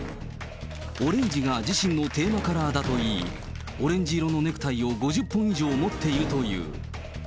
オレンジが自身のテーマカラーだといい、オレンジ色のネクタイを５０本以上持っているという。